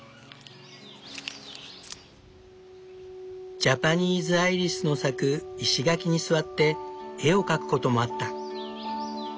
ジャパニーズアイリスの咲く石垣に座って絵を描くこともあった。